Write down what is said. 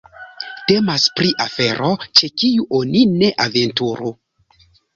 Temas pri afero, ĉe kiu oni ne aventuru.